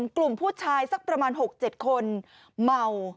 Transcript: กลุ่มผู้ชายสักประมาณ๖๗คนเมา